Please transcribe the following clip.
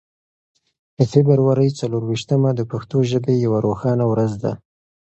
د فبرورۍ څلور ویشتمه د پښتو ژبې یوه روښانه ورځ ده.